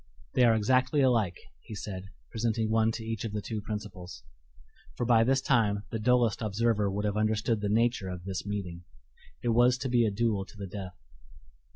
"They are exactly alike," he said, presenting one to each of the two principals for by this time the dullest observer would have understood the nature of this meeting. It was to be a duel to the death.